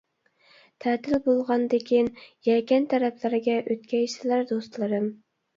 تەتىل بولغاندىكىن يەكەن تەرەپلەرگە ئۆتكەيسىلەر دوستلىرىم.